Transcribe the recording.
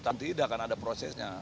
tidak kan ada prosesnya